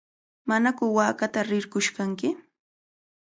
¿Manaku waakata rirqush kanki?